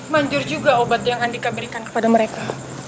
manjur juga obat yang andika berikan kepada mereka